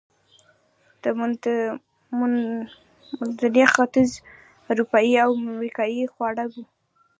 د منځني ختیځ، اروپایي او امریکایي خواړه و.